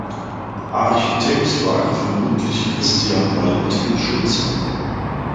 Architekt war vermutlich Christian Valentin Schultze.